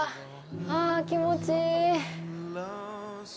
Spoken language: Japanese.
ああ、気持ちいい。